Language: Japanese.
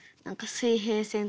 「水平線」を。